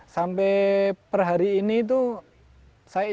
sampai per hari ini itu saya ikut